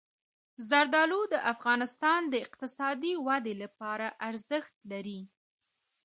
زردالو د افغانستان د اقتصادي ودې لپاره ارزښت لري.